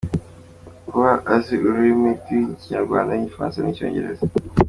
Kuba azi ururimi rw’ikinyarwanda ,igifaransa n’icyongereza.